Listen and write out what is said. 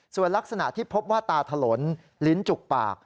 ส่วนลักษณะที่พบว่าตาถลนลิ้นจุกปาก